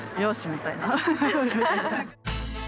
みたいな。